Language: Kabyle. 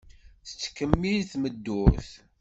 Tettkemmil tmeddurt.